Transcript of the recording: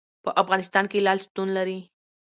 په افغانستان کې لعل شتون لري.